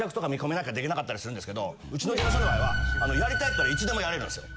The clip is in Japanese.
できなかったりするんですけどうちの事務所の場合はやりたいって言ったらいつでもやれるんですよ。